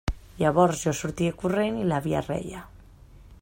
Llavors jo sortia corrent i l'àvia reia.